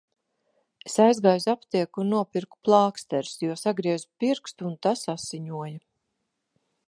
Es aizgāju uz aptieku un nopirku plāksterus, jo sagriezu pirkstu un tas asiņoja.